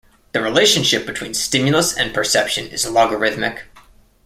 The relationship between stimulus and perception is logarithmic.